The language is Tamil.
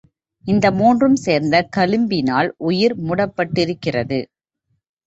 இந்த மூன்றும் சேர்ந்த களிம்பினால் உயிர் மூடப்பட்டிருக்கிறது.